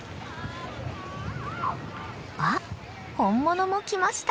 あ本物も来ました。